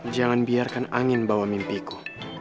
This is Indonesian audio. jangan biarkan angin bawa mimpiku